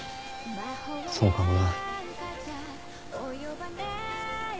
そうかもな。